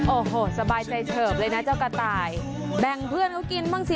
โอ้โหสบายใจเฉิบเลยนะเจ้ากระต่ายแบ่งเพื่อนเขากินบ้างสิ